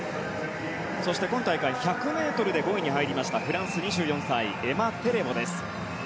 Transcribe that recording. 今大会１００ｍで５位に入りましたフランスの２４歳エマ・テレボです。